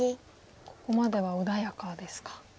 ここまでは穏やかですか。